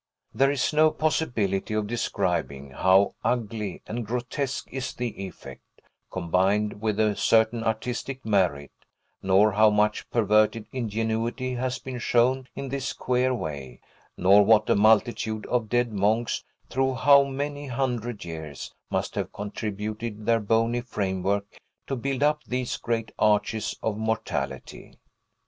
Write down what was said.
There is no possibility of describing how ugly and grotesque is the effect, combined with a certain artistic merit, nor how much perverted ingenuity has been shown in this queer way, nor what a multitude of dead monks, through how many hundred years, must have contributed their bony framework to build up these great arches of mortality.